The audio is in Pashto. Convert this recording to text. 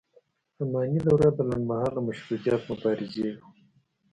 اماني دوره د لنډ مهاله مشروطیت مبارزې وه.